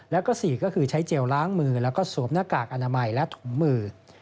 แล้วก็๔ก็คือใช้เจลล้างมือแล้วก็สวมหน้ากากอนามัยและถุงมือ